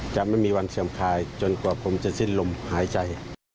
จะไม่มีวันเสื่อมคายจนกว่าผมจะสิ้นลมหายใจ